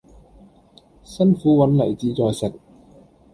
辛苦搵嚟志在食